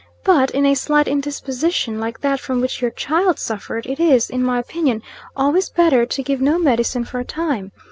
But, in a slight indisposition, like that from which your child suffered, it is, in my opinion, always better to give no medicine for a time.